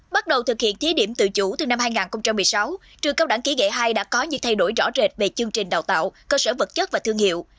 bắt đầu thực hiện thí điểm tự chủ từ năm hai nghìn một mươi sáu trường cao đẳng kỹ nghệ hai đã có những thay đổi rõ rệt về chương trình đào tạo cơ sở vật chất và thương hiệu